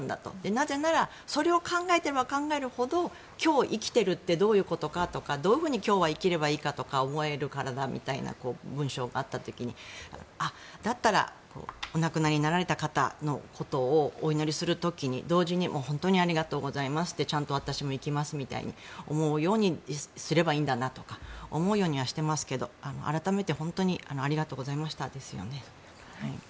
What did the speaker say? なぜならそれを考えていれば考えるほど今日生きているってどういうことかってどう、今日は生きればいいかって思えるからだっていう文章があった時に、だったらお亡くなりになられた方のことをお祈りする時に、同時に本当にありがとうございますってちゃんと私も生きますって思うようにすればいいんだなとか思うようにはしてますけど改めて本当にありがとうございましたですよね。